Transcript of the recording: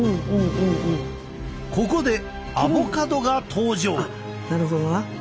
ここでアボカドが登場！